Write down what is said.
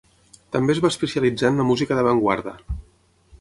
També es va especialitzar en la música d'avantguarda.